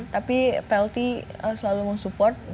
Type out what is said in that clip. tapi pelti selalu mau support